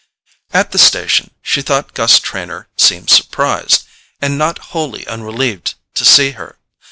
At the station she thought Gus Trenor seemed surprised, and not wholly unrelieved, to see her.